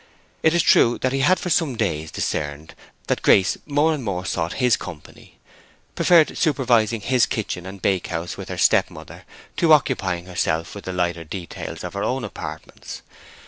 It is true that he had for some days discerned that Grace more and more sought his company, preferred supervising his kitchen and bakehouse with her step mother to occupying herself with the lighter details of her own apartments.